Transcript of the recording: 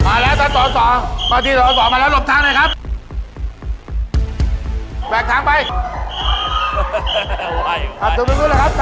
มาแล้วท่านสอสอมาที่สอสอมาแล้วหลบทางหน่อยครับ